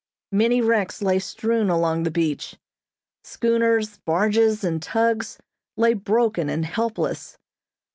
Many wrecks lay strewn along the beach. Schooners, barges, and tugs lay broken and helpless.